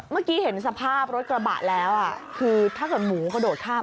เมื่อกี้เห็นสภาพรถกระบะแล้วคือถ้าเกิดหมูกระโดดข้าม